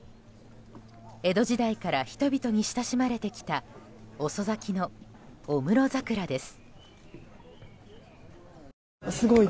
江戸時代から人々に親しまれてきた遅咲きの御室桜です。